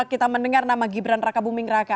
kita mendengar nama gibran raka buming raka